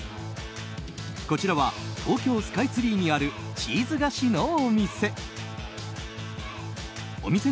こちらは東京スカイツリーにあるチーズ菓子のお店。